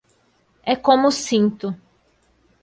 É como sinto.